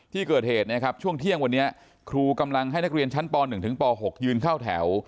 ที่เกิดเหตุนะครับช่วงเที่ยงวันนี้ครูกำลังให้นักเรียนชั้นป๑ถึงป๖ยืนเข้าแถว